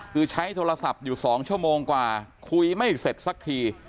คือใช้โทรศัพท์อยู่๒ชั่วโมงกว่าคุยไม่เสร็จสักที